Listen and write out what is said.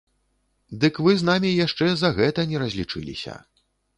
Дык вы з намі яшчэ за гэта не разлічыліся.